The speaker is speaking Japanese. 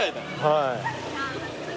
はい。